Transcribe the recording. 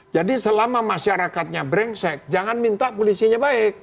jadi selama masyarakatnya brengsek jangan minta polisinya baik